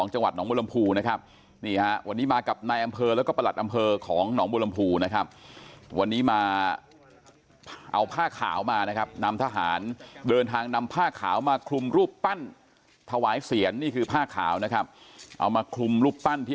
หรือว่ากรอะอล์มเปื้องนอของจังหวัดนองบลหรำภู